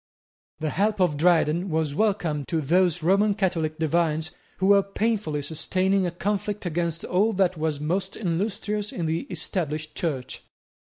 The help of Dryden was welcome to those Roman Catholic divines who were painfully sustaining a conflict against all that was most illustrious in the Established Church.